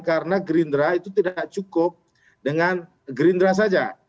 karena gerindera itu tidak cukup dengan gerindera saja